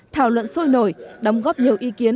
thảo luận sôi nổi đóng góp nhiều ý kiến